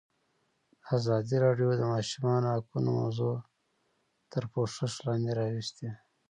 ازادي راډیو د د ماشومانو حقونه موضوع تر پوښښ لاندې راوستې.